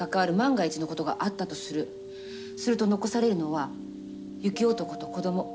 すると残されるのは雪男と子ども。